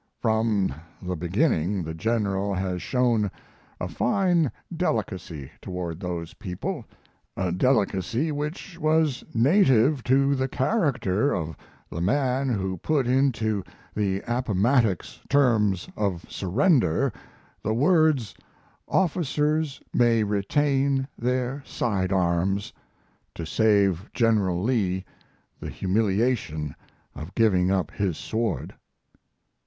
From the beginning the General has shown a fine delicacy toward those people a delicacy which was native to the character of the man who put into the Appomattox terms of surrender the words, "Officers may retain their side arms," to save General Lee the humiliation of giving up his sword.